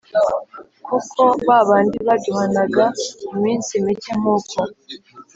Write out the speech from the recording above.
Kuko ba bandi baduhanaga iminsi mike nk uko